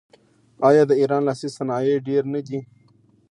آیا د ایران لاسي صنایع ډیر نه دي؟